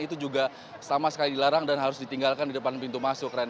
itu juga sama sekali dilarang dan harus ditinggalkan di depan pintu masuk